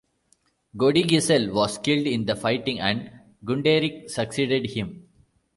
Godigisel was killed in the fighting and Gunderic succeeded him.